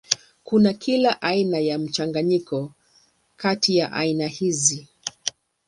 Kuna kila aina ya mchanganyiko kati ya aina hizi.